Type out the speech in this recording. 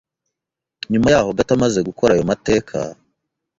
nyuma yaho gato amaze gukora ayo mateka